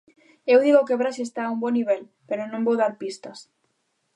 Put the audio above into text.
Eu digo que Brais está a bo nivel, pero non vou dar pistas.